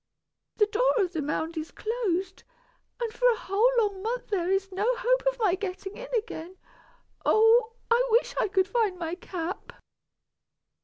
The door of the mound is closed, and for a whole long month there is no hope of my getting in again. Oh! I wish I could find my cap."